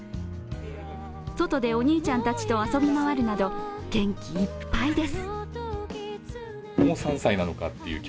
外でお兄ちゃんたちと遊び回るなど、元気いっぱいです。